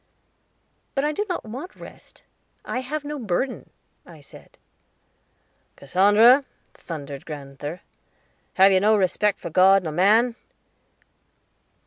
'" "But I do not want rest; I have no burden," I said. "Cassandra," thundered grand'ther, "have you no respect for God nor man?"